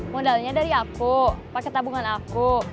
modalnya dari aku pakai tabungan aku